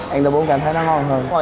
ăn tô bún cảm thấy nó ngon hơn